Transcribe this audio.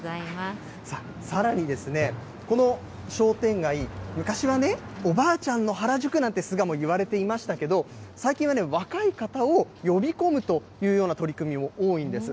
さあ、さらにですね、この商店街、昔はね、おばあちゃんの原宿なんて、巣鴨、言われていましたけれども、最近は若い方を呼び込むというような取り組みも多いんです。